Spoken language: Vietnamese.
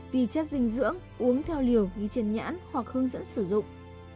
vi chất dinh dưỡng uống theo liều ghi trên nhãn hoặc hướng dẫn sử dụng